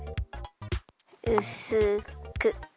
うすく。